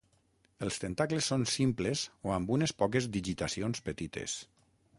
Els tentacles són simples o amb unes poques digitacions petites.